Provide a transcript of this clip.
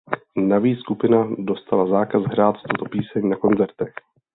Navíc skupina dostala zákaz hrát tuto píseň na koncertech.